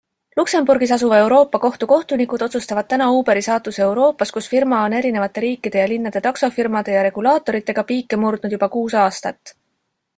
Luxemburgis asuva Euroopa kohtu kohtunikud otsustavad täna Uberi saatuse Euroopas, kus firma on erinevate riikide ja linnade taksofirmade ja regulaatoritega piike murdnud juba kuus aastat.